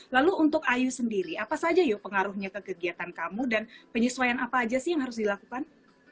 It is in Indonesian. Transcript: lalu untuk ayu sendiri apa saja yuk pengaruhnya ke kegiatan kamu dan penyesuaian apa aja sih yang harus dilakukan